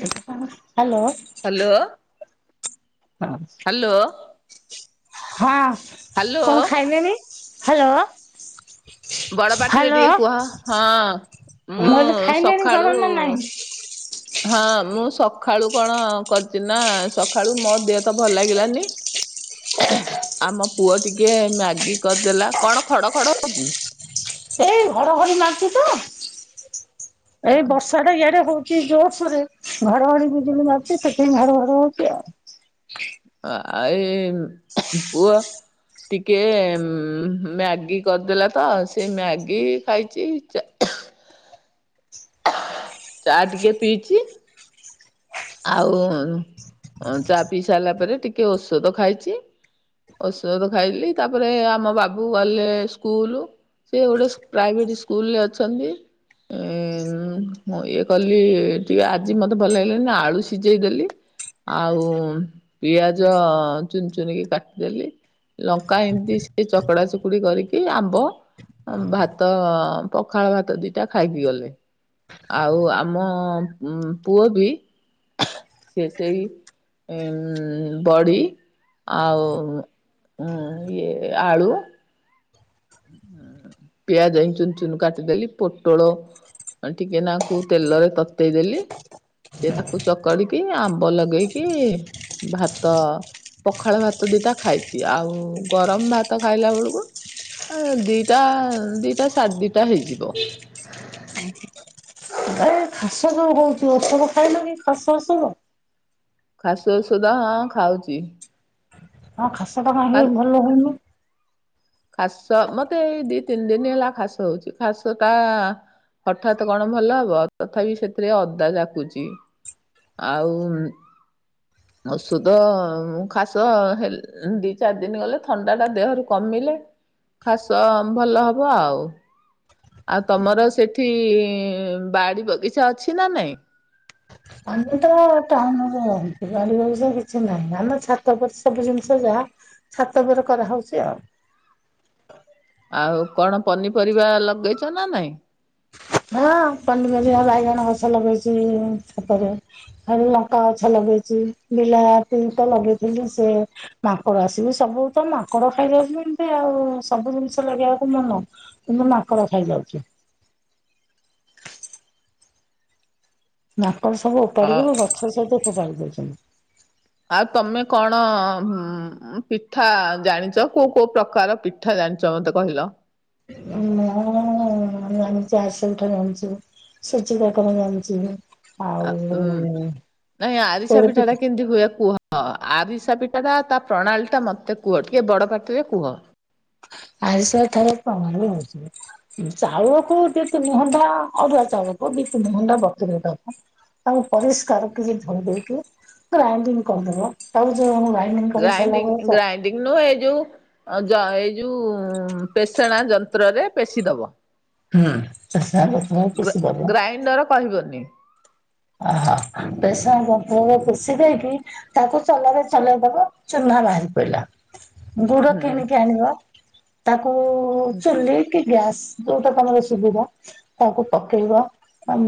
Hello. Hello. Hello ହ ହଁ କଣ ହ୍ୟାଲୋ ଖାଇଲେନି? ହ୍ୟାଲୋ। ବଡ ପାଟିରେ ହ୍ୟାଲୋ ଟିକେ କୁହ ହଁ। ମୁଁ ମୁଁ କହିଲି ଖାଇଲେଣି ସକାଳୁ କଣ ନା ନାଇଁ? ହଁ ମୁଁ ସଖାଳୁ କଣ କରିଛି ନା ସଖାଳୁ ମୋ ଦେହ ତ ଭଲ ଲାଗିଲାନି। ଆମ ପୁଅ ଟିକେ ମ୍ୟାଗି କରିଦେଲା କଣ ଖଡ ଖଡ ହଉଛି? ଏଇ ଘଡ଼ଘଡ଼ି ମାରୁଛି ତ ଏଇ ବର୍ଷା ଟା ଇଆଡେ ହଉ ଚି ଜୋର ସୋରେ ଘଡଘଡି ବିଜୁଳି ମାଗଛି ସେଥିାଇଁ ଘଡଘାଡ ହଉଛି ଆଉ। ଆ ଏଇ ପୁଅ ଟିକେ ମ୍ୟାଗି କରିଦେଲା ତ ସେ ମ୍ୟାଗି ଖାଇଛି ଚା ଚା ଟିକେ ପିଇଛି। ଆଉ ଚା ପିଇ ସାରିଲା ପରେ ଟିକେ ଔଷଦ ଖାଇଛି। ଔଷଧ ଖାଇଲି ତାପରେ ଆମ ବାବୁ ଗଲେ ସ୍କୁଲୁ ସେ ଗୋଟେ ସ ପ୍ରାଇଭେଟ ସ୍କୁଲରେ ଅଛନ୍ତି। ଉ ମୁଁ ଇଏ କଲି ଟିକେ ଆଜି ମତେ ଭଲ ଲାଗିଲାନି ଆଳୁ ସିଜେଇ ଦେଲି ଆଉ ପିଆଜ ଚୁନ ଚୁନ କି କାଟିଦେଲି ଲଙ୍କା ଏମିତି ସେ ଚକଡା ଚକୁଡି କରିକି ଆମ୍ବ ଅ ଭାତ ପଖାଳ ଭାତ ଦିଟା ଖାଇକି ଗଲେ। ଆଉ ଆମ ଉଁ ପୁଅ ବି ସିଏ ସେଇ ଉଁ ବଡି ଆଉ ଉଁ ଇଏ ଆଳୁ ପିଆଜ ଏ ଚୁନ ଚୁନ କାଟ ଦେଲି ପୋଟୋଳ ଉଁ ଟିକେ ନା କୁ ତେଲରେ ତତେଇ ଦେଲି। ସେ ତାକୁ ଚକଡିକି ଆମ୍ବ ଲଗେଇକି ଭାତ ପଖାଳ ଭାତ ଦିଟା ଖାଇଛି ଆଉ ଗରମ ଭାତ ଖାଇଲା ବେଳକୁ ଉଁ ଦିଟା ଦିଟା ସାଢେ ଦିଟା ହେଇଯିବ। [unintelligible] ଏ ଖାସ ଯୋଉ ହଉଚି ଓଷଦ ଖାଇଲନି ଖାସ ଓସଦ। ଖାସ ଔଷଧ ହଁ ଖାଉଛି। ମୋ ଖାସ ଟା କାଇ ଭଲ ହଉନି? ଖାସ ମତେ ଏଇ ଦି ତିନି ଦିନ ହେଲା ଖାସ ହଉଛି ଖାସ ଟା ହଠାତ୍ କଣ ଭଲ ହବ ତଥାପି ସେଥିରେ ଅଦା ଜାକୁଛି। ଆଉ ଔଷଧ ଖାସ ହେ ଉ ଦି ଚାରି ଦିନ ଗଲେ ଥଣ୍ଡା ଟା ଦେହରୁ କମିଲେ ଖାସ ଭଲ ହବ ଆଉ। ଆଉ ତମର ସେଠି ବାଡି ବଗିଚା ଅଛି ନା ନାଇଁ? ଆମେ ତ ଟାଉନ ରେ ରହୁଛୁ ବାଡ଼ି ବଗିଚା କିଛି ନାହିଁ ଆମେ ଛାତ ଉପରେ ସବୁ ଜିନିଷ ଯାହା ଛାତ ଉପରେ କରାହେଉଛି ଆଉ। ଆଉ କଣ ପନିପରିବା ଲଗେଇଛ ନା ନାଇଁ? ହଁ ପନିପରିବା ବାଇଗଣ ଗଛ ଲଗେଇଛି ଛାତରେ। ଖାଲି ଲଙ୍କା ଗଛ ଲଗେଇଛି ବିଲାତି ତ ଲଗେଇଥିଲି ସେ ମାଙ୍କଡ ଆସିକି ସବୁ ତ ମାଙ୍କଡ ଖାଇଦଉଛନ୍ତି ଆଉ ସବୁ ଜିନିଷ ଲଗେଇବାକୁ ମନ। କିନ୍ତୁ ମାଙ୍କଡ଼ ଖାଇଯାଉଛି। ମାଙ୍କଡ଼ ସବୁ ଅ ଓପାଡିିକି ଗଛ ସହିତ ଫୋପାଡି ଦଉଛନ୍ତି। ଆଉ ତମେ କଣ ହୁଁ ପିଠା ଜାଣିଛ କୋଉ କୋଉ ପ୍ରକାର ପିଠା ଜାଣିଛ ମତେ କହିଲ? ମୁଁ ଉଁ [unintelligible] ଆଛୁ ଛିଚିଡ଼ା କଣ ଜନିଛି। ଆ ଉୁଁ ନାଇଁ ଆରିଷା ପୋଡ଼ ପିଠା ପିଠାଟା କେମିତି ହୁଏ କୁହ? ହଁ ଆରିସା ପିଠା ଟା ତା ପ୍ରଣାଳୀ ଟା ମତେ କୁହ ଟିକେ ବଡ଼ ପାଟିରେ କୁହ? ଆଇଶା ଏଥର କମି ଯାଇଛି ବା [unintelligible] ଚାଉଳକୁ ଦୁଇତିନି ଘଣ୍ଟା ଅରୁଆ ଚାଉଳକୁ ଦୁଇତିନି ଘଣ୍ଟା ବତୁରେଇ ଦବ। ତାଉ ପରିଷ୍କାର କି ଧୋଇ ଦେଇେଇକି ଗ୍ରାଣ୍ଡିଂ କରିଦେବ ତାକୁ ଯୋଉ ଗ୍ରଣ୍ଡିଂ କରିସାରିଲା ପରେ ଚା ଇନୋ ଏ ଯୁ ଅଯ ଏଇ ଯୋଉ ପେଷଣା ଯନ୍ତ୍ରରେ ପେଶି ଦବ। ହୁଁ ପେଷଣା ଯନ୍ତ୍ର ରେ ଗ୍ରା ପେଶୀ ଦେବ। ଗ୍ରାଇଣ୍ଡର କହିବନି। ଓହୋ ପେସେଣା ଯନ୍ତ୍ ରେ ପେଶୀ ଦେଇକି ତାକୁ ଚଲାରେ ଚଲେଇ ଦବ ଚୁନା ବାହାରି ପଡିଲା ଗୁଡ ହୁଁ କିଣିକି ଆଣିବ। ତାକୁ ହୁଁ ଚୁଲି କି ଗ୍ୟାସ ଯୋଉଟା ତମର ସୁବିଧା ତାକୁ ପକେଇବ। ତାମ୍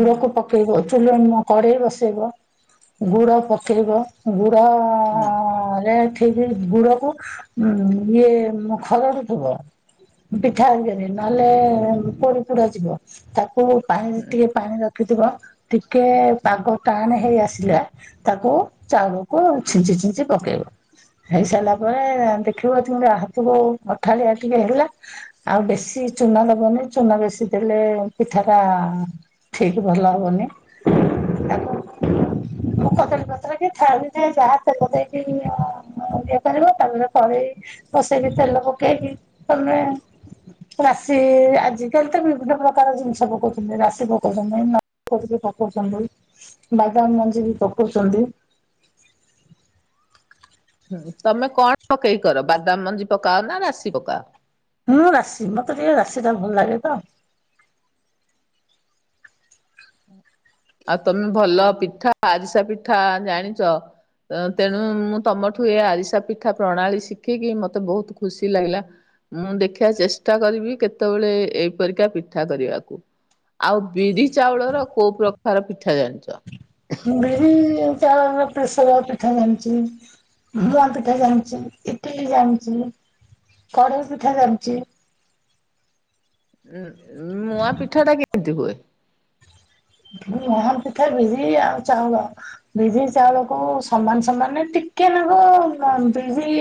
ହୁଁ ପକ୍ ଚୁଲ ନୂଆ କଡ଼େଇ ବସେଇବ ଗୁଡ଼ ପକେଇବ ଗୁଡ଼ ଅଁ ଅଁ ଅଁ ହୁଁ ଅଁ ଅଁ ରେ ଠିକ୍ ଗୁଡ଼ାକୁ ଉଁ ଇଏ ଖରଡୁଥିବ। ପିଠା ଆଙ୍ଗରେ ନହେଲେ ପୋଡ଼ି ପୋଡ଼ା ଯିବ ତା କୁ ପାଣିରେ ହୁଁ ଟିକେ ପାଣି ରଖିଥିବ ଟିକେ ପାଗ ଟାଣ ହେଇ ଆସିଲେ। ତାକୁ ଚାଉଳକୁ ଛିଞ୍ଚି ଛିଞ୍ଚି ପକେଇବ। ହେଇସାରିଲା ପରେ ଦେଖିବ ତମତି ହାତକୁ ଅଠାଳିଆ ଟିକେ ହେଲା ଆଉ ବେଶୀ ଚୁନା ଦବନି ଚୁନା ବେଶୀ ଦେଲେ ପିଠ ଟା ଠିକ ଭଲ ହବନି ତାକୁ କଦଳୀ ପତ୍ର କି ଥାଳି ଟେ ଯାହା ତେଲ ଦେଇକି ଇଏ କରିବ ତାପରେ କରେଇ କସେଇକି ତେଲ ପକେଇକି ତମେ ରାଶି ଆଜିକାଲି ତ ବିଭିନ୍ନ ପ୍ରକାର ଜିନିଷ ପକଉଛନ୍ତି ରାଶି ପକଉଛନ୍ତି ଇଏ କରିକି ପକଉଛନ୍ତି ବାଇଦାମ ମଞ୍ଜି ବି ପକଉଛନ୍ତି ହୁଁ ତମେ କଣ ପକେଇକର ବାଦାମ ମଞ୍ଜି ପକାଅ ନା ରାଶି ପକାଅ? ମୁଁ ରାଶି ମତେ ଟିକେ ରାଶିଟା ଭଲ ଲାଗେ ତ। ଆଉ ତମେ ଭଲ ପିଠା ଆରିସା ପିଠା ଜାଣିଛ? ତେଣୁ ମୁଁ ତମଠୁ ଏ ଆରିସା ପିଠା ପ୍ରଣାଳୀ ଶିଖିକି ମତେ ବହୁତ ଖୁସି ଲାଗିଲା। ମୁଁ ଦେଖିବା ଚେଷ୍ଟା କରିବି କେତେବେଳେ ଏଇପରିକା ପିଠା କରିବାକୁ? ଆଉ ବିରି ଚାଉଳର କୋଉ ପ୍ରକାର ପିଠା ଜାଣିଛ? ମୁ ବିରି ଚାଉଳ ପ୍ରେସର ପିଠା ଜାଣିଛି? ମୁଁଆ ପିଠା ଜାଣିଛି ଇଟିଲି ଜାଣିଛି କଢେଇ ପିଠା ଜାଣିଛି? ଉଁ ମୂଆଁ ପିଠାଟା କେମତି ହଏ? ମୂଆ ପିଠା ବିରି ଆଉ ଚାଉଳ ବିରି ଚାଉଳକୁ ସମାନ ସମାନ ଟିକେ ନାକୁ ବିରି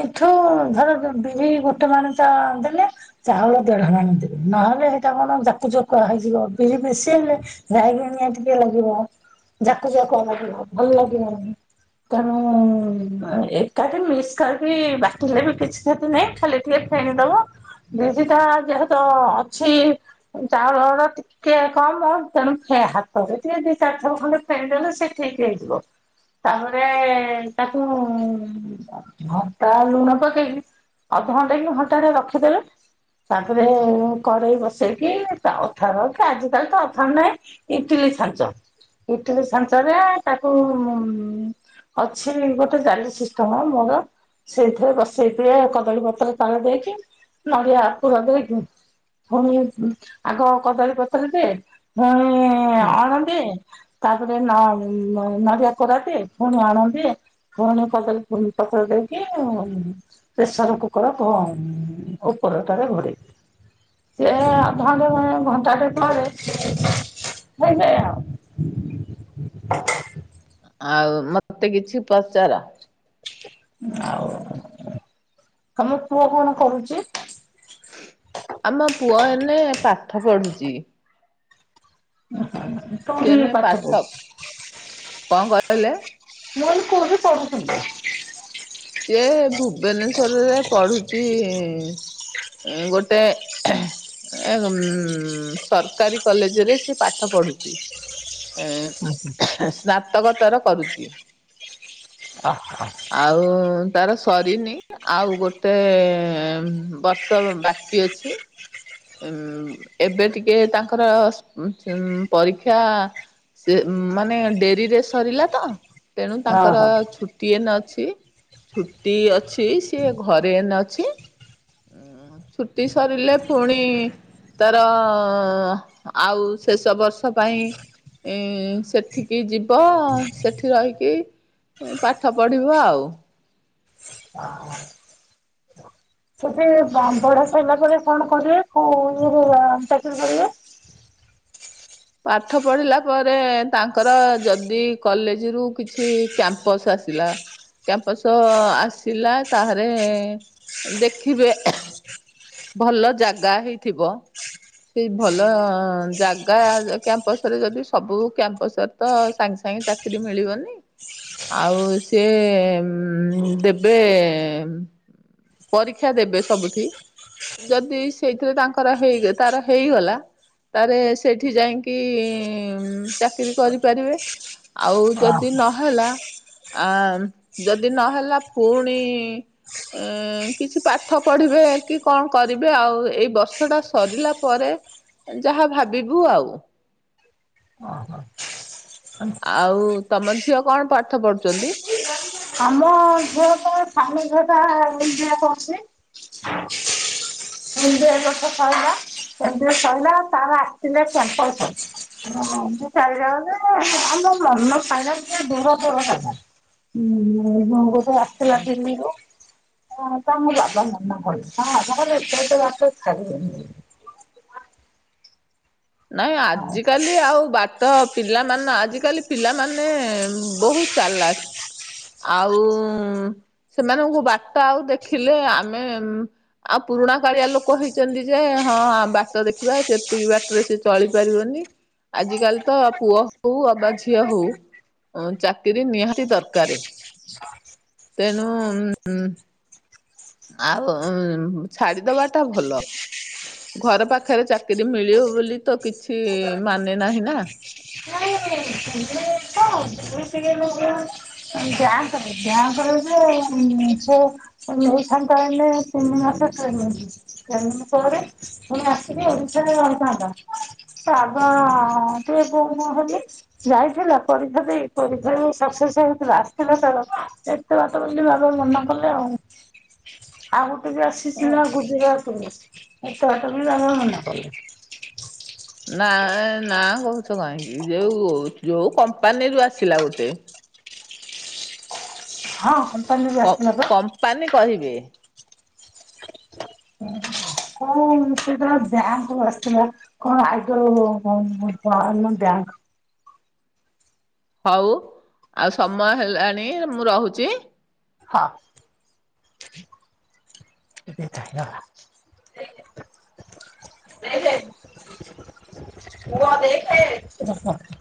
ଏଇଠୁ ଧର ବିିରି ଗୋଟେ ମାଣ ତ ଦେଲେ ଚାଉଳ ଦେଢ ମାଣ ଦେବେ ନହେଲେ ସେଇଟା କଣ ଯାକୁ ଯାକୁଆ ହେଇଯିବ ବିିରି ବେ ହେଲେ ଯାଇକ ନିଆ ଟିକେ ଲାଗିବ ଯାକୁ ଯାକୁ ଲାଗିବ ଭଲ ଲାଗିବନି। ତେଣୁ ଏକାଠି ମିସ୍ କରିକି ବାଟିଲେ ବି କିଛି କ୍ଷତି ନାହିଁ ଖାଲି ଟିକେ ଫେଣିଦବ। ଵିରିଟା ଯେହେତୁ ଅଛି ଚାଉଳର ଟିକେ କମ ଆଉ ତମେ ଫୟ ହାତ ଟିକେ ଦି ଚାରି ଥର ଖଣ୍ଡେ ଫେଣି ଦେଲେ ସେ ଠିକ ହେଇଯିବ। ତାପରେ ତାକୁ ଘଣ୍ଟା ଲୁଣ ପକେଇକି ଅଧ ଘଣ୍ଟା କି ଘଣ୍ଟାଟେ ରଖିଦେବେ। ତାପରେ କଡ଼େଇ ବସେଇକି ଚାଉଠ ରକି ଆଜି ତାହାଲେ ତ ଦରକାର୍ ନାଇ ଇଟିଲି ଛାଞ୍ଚ। ଈଟିଲି ଛାଞ୍ଚରେ ତାକୁ ଅଛି ଗୋଟେ ଜାଲି ସିଷ୍ଟମ ମୋର ସେଇଥିରେ ବସେଇକି କଦଳୀପତ୍ର ତାଳ ଦେଇକି ନଡିଆ ପୁର ଦେଇକି ପୁଣି ଆଗ କଦଳୀ ପତରରେ ପୁଣି ହୁଁ। ଅଣ ତାପରେ ନଡିଆ କୋରା ଦେ ପୁଣି ଆଣ ଦେ ପୁଣି କଦଳି ପତର ଦେଇକି ଆ ପ୍ରେସର କୁକର ଥୋ ଉପରଟାରେ ଘୋରେଇକି। ସେ ଅଧ ଘଣ୍ଟା ଘଣ୍ଟାଟେ ପରେ ହେଇଯାଏ ଆଉ ଆଉ ମତେ କିଛି ପଚାର? ଆଉ ତମ ପୁଅ କଣ କରୁଛି? ଆମ ପୁଅ ଏନେ ପାଠ ପଢୁଛି। ଓ ସିଏ କୋଉଥିକି ଏନେ ପାଠ ପଢୁଛି? କଣ କହିଲେ? [inaudible] ସିଏ ଭୁବନେଶ୍ଵରରେ ପଢୁଛି। ଗୋଟେ ଏ ଗମ୍ ସରକାରୀ କଲେଜରେ ସେ ପାଠ ପଢୁଛି। ଏ ସ୍ନାତକୋତର କରୁଛି। ଅ ହ। ଆଉ ମୁ ତାର ସରିନି ଆଉ ଗୋଟେ ବର୍ଷ ବାକି ଅଛି। ଉ ଏବେ ଟିକେ ତାଙ୍କର ପରୀକ୍ଷା ସେ ମାନେ ଡେରିରେ ସରିଲା ତ ତେଣୁ ତାଙ୍କର ଓହୋ। ଛୁ ଇଏନ ଅଛି ଛୁଟି ଅଛି ସିଏ ଘରେନ ଅଛି। ଉଁ ଛୁଟି ସରିଲେ- ପୁଣି ତାର ଆଉ ଶେଷ ବର୍ଷ ପାଇଁ- ଏ ସେଠିକି ବି - ପ ସେଠି ରହିକି ପାଠ ପଢିବ ଆଉ। [unintelligible] ସେଠି ପଢା ସରିଲା ପରେ କଣ କରିବେ କୋଉ ଇଏରେ ଚାକିରି କରିବେ। ପାଠ ପଢିଲା ପରେ ତାଙ୍କର ଯଦି କଲେଜ ରୁ କିଛି କ୍ୟାମ୍ପସ ଆସିଲା। କ୍ୟାମ୍ପସ ଆସିଲା ତାହେଲେ ଦେଖିବେ। ଭଲ ଜାଗା ହେଇଥିବ। ସେଇ ଭଲ ଜାଗା କ୍ୟାମ୍ପସରେ ଯଦି ସବୁ କ୍ୟାମ୍ପସରେ- ତ ସାଙ୍ଗେ ସାଙ୍ଗେ ଚାକିରି ମିଳିବନି। ଆଉ ସିଏ ଦେବେ। ପରୀକ୍ଷା ଦେବେ ସବୁଠି। ଯଦି ସେଇଥିରେ ତାଙ୍କର ହେଇ ତାର ହେଇଗଲା। ତାରେ ସେଠି ଯାଇଁକି ଚାକିର କରିପାରିବେ। ଆଉ ଯଦି ଓହୋ। ନହେଲା ଆ ଯଦି ନହେଲା ପୁଣି ଉଁ କିଛି ପାଠ ପଢିବେ କି କଣ କରିବେ ଆଉ ଏଇ ବର୍ଷଟା ସରିଲା ପରେ। ଯାହା ଭାବିବୁ ଆଉ। [unintelligible] ଆଉ ତମ ଝିଅ କଣ ପାଠ ପଢୁଛନ୍ତି? ଆମ ଝିଅ ତ ସାନ ଝିଅଟା ଏମ୍ବିଏ କରୁଛି। ଏମ୍ବିଏ ଏ ବର୍ଷ ସଇଲା। ଏମ୍ବିଏ ସଇଲା ତାର ଆସିଥିଲା କ୍ୟାମ୍ପସ୍। ସିଏ ଚାଲିଯାଉଛି ଆମର ମନ ଫାଇନାଲ ଟିକେ ଦୂର ଦୂର ହେଲା। ଉଁ, ହୁଁ। ସିଏ ଆସିଥିଲା ଦିଲ୍ଲୀରୁ ହଁ ତାଙ୍କ ବାବା ମନା କଲେ। ତା ବାବା କହିଲେ ନାଇଁ ତା ବାପା ଛାଡ଼ିବେନି। ନାଇଁ ଆଜିକାଲି ଆଉ ବାକି ତ ପିଲାମାନେ ଆଜିକାଲି ପିଲାମାନେ ବହୁତ ଚାଲାକ୍। ଆଉ ସେମାନଙ୍କୁ ବାଟ ଆଉ ଦେଖିଲେ ଆମେ ଆଉ ପୁରୁଣା କାଳିଆ ଲୋକ ହେଇଛନ୍ତି ଯେ ହଁ ବାଟ ଦେଖିବା ସେତିକି ବାଟ। ସେ ଚଳି ପାରିବନି। ଆଜିିକାଲି ତ ପୁଅ ହଉ ଅବା ଝିଅ ହଉ ଅଁ ଚାକିରି ନିହାତି ଦରକାର। [unintelligible] ତେଣୁ ଉଁ ଉଁ। ଆଉ ଛାଡିଦବା ଟା ଭଲ। ଘର ପାଖରେ ଚାକିରି ମିଳିବ ବୋଲି ତ କିଛି ମାନେ ନାହିଁ ନା। [unintelligible] [unintelligible] ଏନେ ଆଙ୍କର ଏନେ ତିନି ମାସ ଟ୍ରେନିଂ। ଟ୍ରେନିଂ ପରେ ପୁଣି ଆସିବେ ଓଡିଶାରେ ରହିଥାନ୍ତା। ତା ବାପା ଆଗୁଆ ତୁ ଏ କହିଲେ। ଯାଇଥିଲ ପରୀକ୍ଷା ଦେଇ। ପରୀକ୍ଷାରେ ସକ୍ସେସ୍ ହେଉଥିଲା। ଆସିଥିଲା ତାର ଏତେ ବାଟ ବୋଲି ବାବା ମନା କଲେ ଆଉ। [unintelligible] ଆଉ ଗୋଟେ ବି ଆସିଥିଲା ଗୁଜୁରାଟରୁ ଏତେ ବାଟ ବି ବାବା ମନା କଲେ। ନା ନା କହୁଛ କାହିଁକି ଯୋଉ ଯୋଉ କମ୍ପାନୀରୁୁ ଆସିଲା ଗୋଟେ ହଁ କମ୍ପାନୀରୁ କ ଆସିଥିଲା ପା କମ୍ପାନୀ କହିବେ। କଣ ସେଟା ଯାହା ହଉ ଆସିଥିଲା। କଣ ଆଇଯଉ କଣନ ବ୍ୟାଙ୍କ। ହଉ ଆଉ ସମୟ ହେଲାଣି ମୁଁ ରହୁଛି। ହଁ ଏତେ ଖାଇଗଲା ଦେଖେ। ଦେଖେ, ପୁଅ ଦେଖେ।